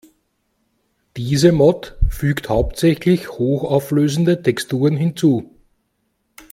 Diese Mod fügt hauptsächlich hochauflösende Texturen hinzu.